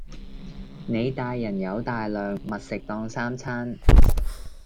你大人有大量，密食當三餐